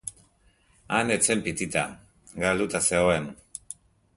Han ez zen Pitita, galduta zegoen.